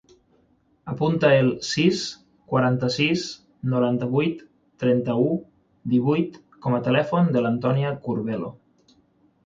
Apunta el sis, quaranta-sis, noranta-vuit, trenta-u, divuit com a telèfon de l'Antònia Curbelo.